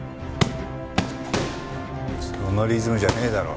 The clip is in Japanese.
そのリズムじゃねえだろ。